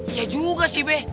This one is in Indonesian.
iya juga sih be